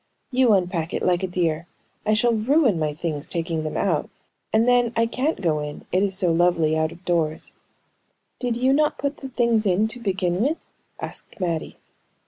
"You unpack it, like a dear! I shall ruin my things taking them out; and then, I can't go in, it is so lovely out of doors." "Did you not put the things in, to begin with?" asked Mattie.